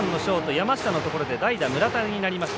山下のところで代打、村田になりました。